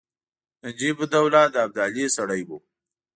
نجیب الدوله د ابدالي سړی وو.